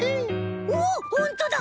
おっほんとだ！